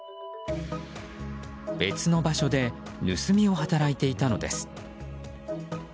別の場所で盗みを働いていたのです。